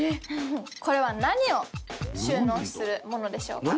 これは何を収納するものでしょうか？